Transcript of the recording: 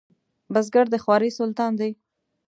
بزګر د خوارۍ سلطان دی